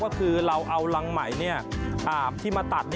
ก็คือเราเอารังไหมที่มาตัด